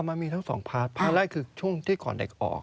มันมีทั้งสองพาร์ทพาร์ทแรกคือช่วงที่ก่อนเด็กออก